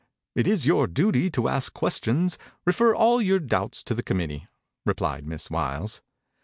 It is your duty to ask questions. Refer all your doubts to the committee," replied Miss Wiles.